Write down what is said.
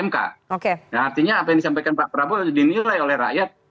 artinya apa yang disampaikan pak prabowo harus dinilai oleh rakyat